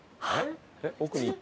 奥に行った。